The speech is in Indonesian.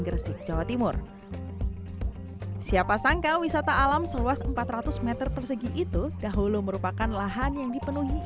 gresik jawa timur siapa sangka wisata alam seluas empat ratus m persegi itu dahulu merupakan lahan yang dipenuhi